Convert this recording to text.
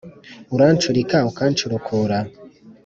urancurika ukancurukura